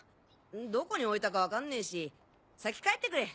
どこに置いたか分かんねえし先帰ってくれ。